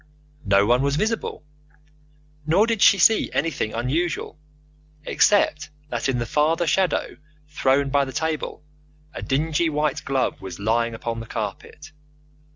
No one was visible, nor did she see anything unusual, except that in the farther shadow thrown by the table a dingy white glove was lying upon the carpet.